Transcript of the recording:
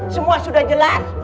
semua sudah jelas